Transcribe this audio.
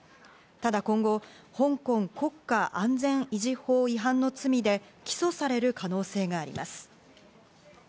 ただ今後、香港国家安全維持法違反の罪で起訴される可能性があります。